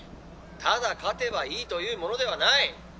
「ただ勝てばいいというものではない！